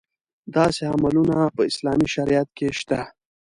داسې عملونه په اسلام او شریعت کې شته.